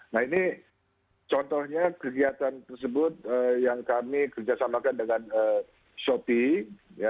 nah ini contohnya kegiatan tersebut yang kami kerjasamakan dengan shopee